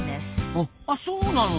あそうなの？